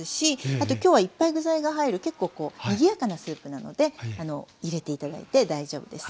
あと今日はいっぱい具材が入る結構にぎやかなスープなので入れて頂いて大丈夫です。